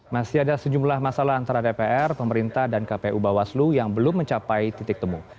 masih ada sejumlah masalah antara dpr pemerintah dan kpu bawaslu yang belum mencapai titik temu